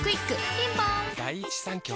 ピンポーン